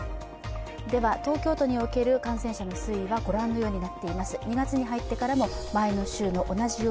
東京都における感染者の推移はご覧のようになっています。